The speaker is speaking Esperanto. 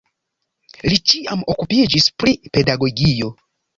Li ĉiam okupiĝis pri pedagogio.